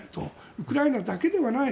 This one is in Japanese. ウクライナだけではない。